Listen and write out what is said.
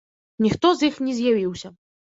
Ніхто з іх не з'явіўся.